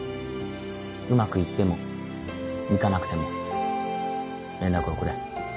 うまくいってもいかなくても連絡をくれ。